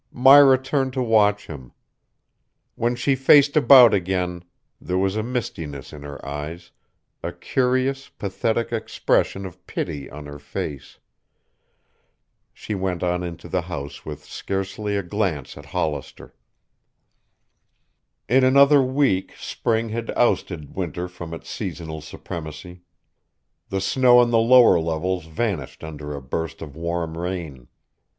Myra turned to watch him. When she faced about again there was a mistiness in her eyes, a curious, pathetic expression of pity on her face. She went on into the house with scarcely a glance at Hollister. In another week spring had ousted winter from his seasonal supremacy. The snow on the lower levels vanished under a burst of warm rain.